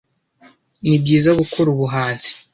nibyiza gukora ubuhanzi